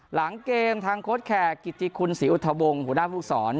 หลังเกมทางโค้ดแขกกิติคุณศรีอุทธวงศ์หัวหน้าผู้สอน